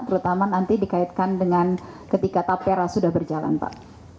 terutama nanti dikaitkan dengan ketika tapera sudah berjalan pak